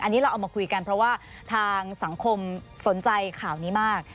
อันนี้เราเอามาคุยกันเพราะว่าทางสังคมสนใจข่าวนี้มาก